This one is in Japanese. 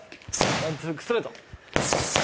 ワンツーフックストレート。